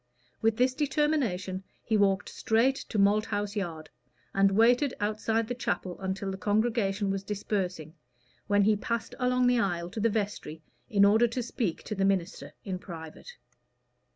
With this determination he walked straight to Malthouse Yard, and waited outside the chapel until the congregation was dispersing, when he passed along the aisle to the vestry in order to speak to the minister in private.